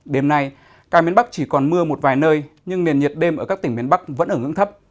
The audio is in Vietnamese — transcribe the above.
đêm nay cả miền bắc chỉ còn mưa một vài nơi nhưng nền nhiệt đêm ở các tỉnh miền bắc vẫn ở ngưỡng thấp